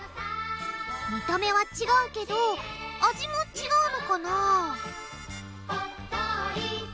見た目は違うけど味も違うのかな？